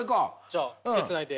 じゃあ手ぇつないで。